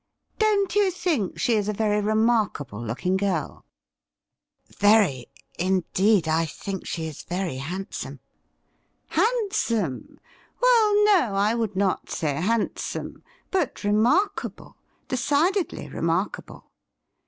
' Don't you think she is a very remarkable looking girl T S4 THE RIDDLE RING ' Very ; indeed, I think she is very handsome.' 'Handsome ! Well, no, I would not say handsome, but ffemarkable — decidedly remarkable.